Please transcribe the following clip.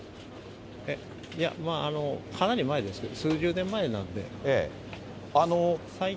かなり前ですけど、数十年前なんで。